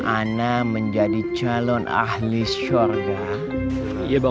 anda menunjukkan kepada bagaimana